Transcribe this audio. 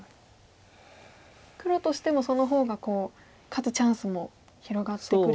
黒としてもその方が勝つチャンスも広がってくる。